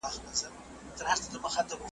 له ناکامه هري خواته تاوېدلم .